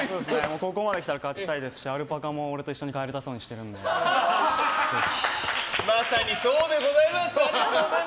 ここまで来たら勝ちたいですしアルパカも俺と一緒にまさにそうでございます！